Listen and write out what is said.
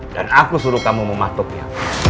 dan aku suruh kamu mematuknya